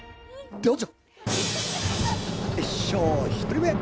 どうぞ！